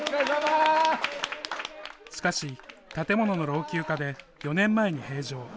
しかし、建物の老朽化で４年前に閉場。